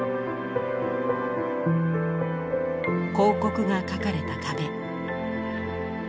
広告が描かれた壁。